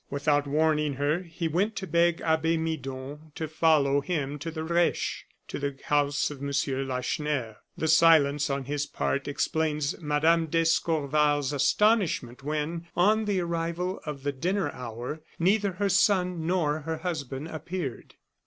Without warning her, he went to beg Abbe Midon to follow him to the Reche, to the house of M. Lacheneur. The silence, on his part, explains Mme. d'Escorval's astonishment when, on the arrival of the dinner hour, neither her son nor her husband appeared.